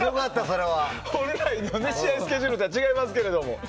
本来の試合スケジュールとは違いますけど。